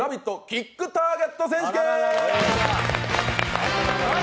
キックターゲット選手権」！